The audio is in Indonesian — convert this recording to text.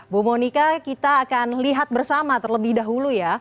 bu monika kita akan lihat bersama terlebih dahulu ya